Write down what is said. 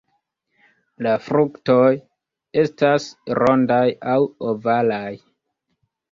La fruktoj estas rondaj aŭ ovalaj.